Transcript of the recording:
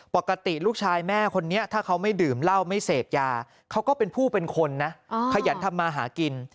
ปกติลูกชายแม่คนนี้ถ้าเขาไม่ดื่มเหล้าไม่เสพยาเขาก็เป็นผู้เป็นคนนะขยันทำมาหากิน